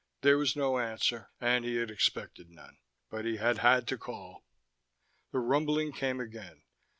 There was no answer, and he had expected none: but he had had to call. The rumbling came again.